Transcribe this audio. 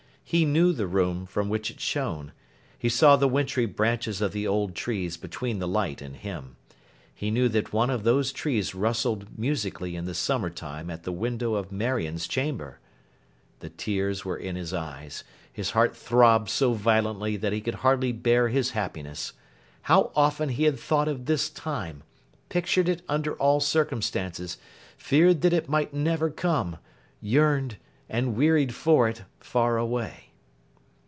He knew the room from which it shone. He saw the wintry branches of the old trees between the light and him. He knew that one of those trees rustled musically in the summer time at the window of Marion's chamber. The tears were in his eyes. His heart throbbed so violently that he could hardly bear his happiness. How often he had thought of this time—pictured it under all circumstances—feared that it might never come—yearned, and wearied for it—far away!